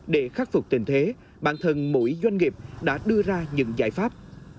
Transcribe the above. để khắc phục tình thế bản thân mỗi doanh nghiệp đã đưa ra những giải pháp